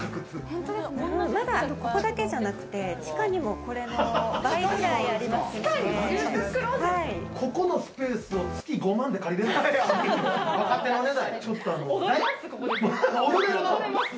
ここだけじゃなくて地下にもこれの倍くらいあります。